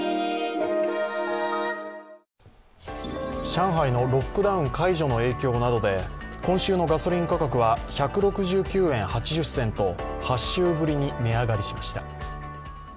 上海のロックダウン解除の影響などで、今週のガソリン価格は１６９円８０銭と８週ぶりに値上がりしました。